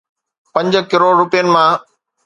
پنج ڪروڙ روپين مان